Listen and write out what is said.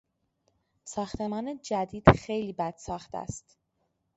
ساختمان جدید خیلی بد ساخت است.